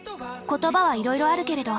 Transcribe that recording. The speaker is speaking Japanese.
言葉はいろいろあるけれど。